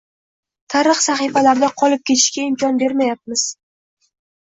tarix sahifalarida qolib ketishga imkon bermayapmiz.